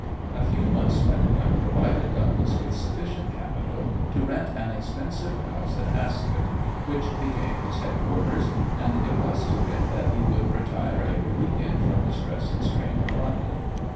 A few months' swindling provided Douglas with sufficient capital to rent an expensive house at Ascot, which became his headquarters, and it was to it that he would retire every week end from the stress and strain of London.